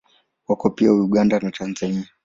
Wako pia Uganda na Tanzania.